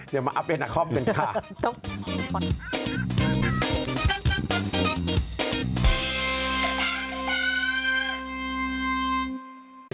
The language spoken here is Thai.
เดี๋ยวมาอัปเดตนาคอมกันค่ะ